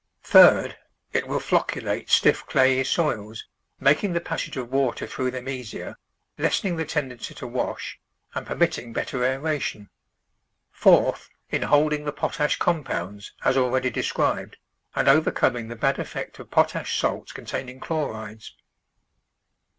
Third, it will flocculate stiff clayey soils, making the passage of water through them easier, lessen ing the tendency to wash, and permitting better aeration. Fourth, in holding the potash compounds, as already described, and overcoming the bad effect of potash salts containing chlorides.